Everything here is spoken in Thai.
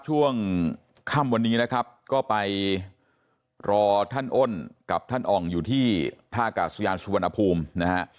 ช่วงค่ำวันนี้นะครับก็ไปรอท่านอ้นกับท่านอ่องอยู่ที่ท่ากาศยานสุวรรณภูมินะฮะ